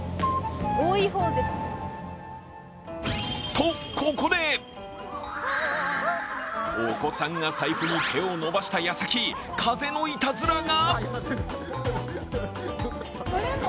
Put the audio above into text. と、ここで、お子さんが財布に手を伸ばしたやさき、風のいたずらが！